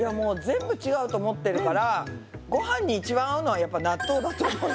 全部違うと思ってるからごはんに一番合うのはやっぱ納豆だと思う。